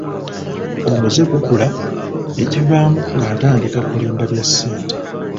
Omuze gukula, ekivaamu ng'atandika kulimba bya ssente.